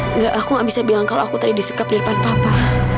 enggak aku gak bisa bilang kalau aku tadi disekap di depan papa